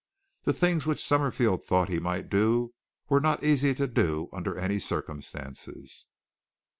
The things which Summerfield thought he might do were not easy to do under any circumstances.